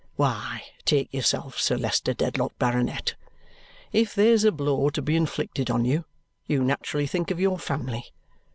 Why, take yourself, Sir Leicester Dedlock, Baronet. If there's a blow to be inflicted on you, you naturally think of your family.